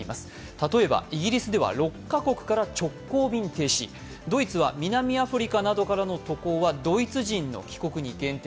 例えばイギリスでは６カ国から直行便停止ドイツは南アフリカなどからの渡航は、ドイツ人の帰国に限定。